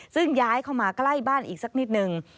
ซึ่งย้ายเข้ามาใกล้บ้านอีกสักนิดนึง